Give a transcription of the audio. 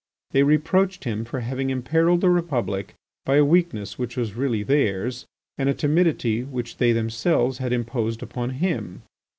They reproached him for having imperilled the Republic by a weakness which was really theirs and a timidity which they themselves had imposed upon him.